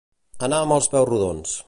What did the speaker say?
Anar amb els peus rodons.